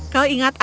kau ingat aku